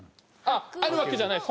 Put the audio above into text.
あるわけじゃないです。